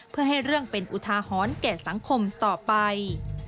เพื่อให้เรื่องเป็นอุทาหรณ์แก่สังคมต่อไป